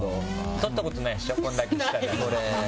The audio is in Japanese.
撮ったことないでしょこんだけ舌出した写真。